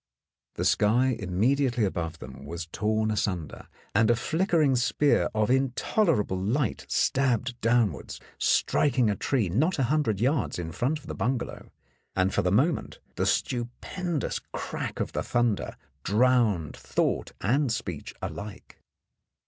The sky immediately above them was torn asunder, and a flickering spear of intolerable light stabbed downwards, striking a tree not a hundred yards in front of the bungalow, and for the moment the stupendous crack of the thunder drowned thought and speech alike.